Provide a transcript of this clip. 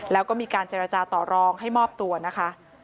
แล้วก็มีการเจรจาต่อรองให้มอบตัวนะคะ